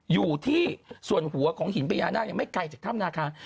อยู่ที่ส่วนหัวของหินพญานาคไม่ไกลจากถ้ำนาคา